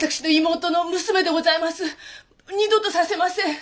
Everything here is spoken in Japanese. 二度とさせません。